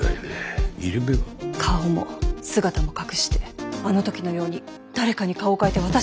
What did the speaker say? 顔も姿も隠してあの時のように誰かに顔を変えて私たちのそばに。